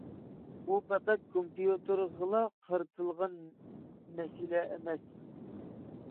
بۇ پەقەت كومپيۇتېرغىلا قارىتىلغان مەسىلە ئەمەس.